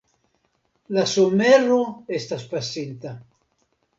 La somero estas pasinta.